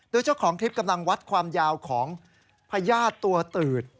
โดยเจ้าของคลิปกำลังวัดความยาวของพญาติตัวตืด